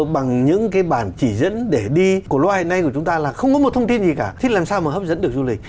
bằng những cái bản chỉ dẫn để đi của loài này của chúng ta là không có một thông tin gì cả thích làm sao mà hấp dẫn được du lịch